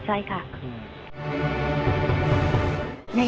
ใช่ค่อนกลาง